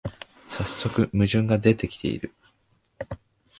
さっそく矛盾が出てきてる